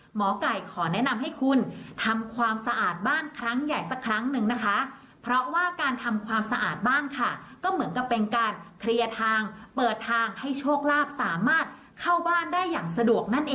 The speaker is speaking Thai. หมอก่ายขอแนะนำให้คุณทำความสะอาดบ้านครั้งใหญ่สักครั้งหนึ่งนะคะเพราะว่าการทำความสะอาดบ้านค่ะ